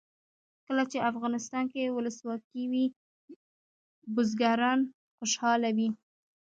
کله چې افغانستان کې ولسواکي وي بزګران خوشحاله وي.